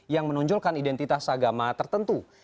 yang menunjukkan identitas agama tertentu